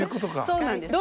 そうなんです。